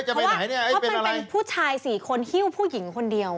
เอ๊ะจะไปไหนนี่เป็นอะไรเพราะมันเป็นผู้ชาย๔คนหิ้วผู้หญิงคนเดียว